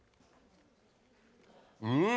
うん！